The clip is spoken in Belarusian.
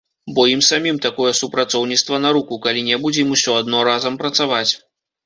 Бо ім самім такое супрацоўніцтва на руку, калі-небудзь ім усё адно разам працаваць.